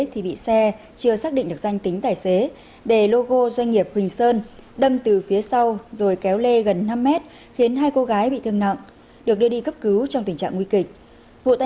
hãy đăng ký kênh để ủng hộ kênh của chúng mình nhé